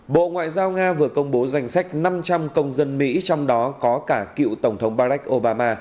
bộ ngoại giao nga vừa công bố danh sách năm trăm linh công dân mỹ trong đó có cả cựu tổng thống barack obama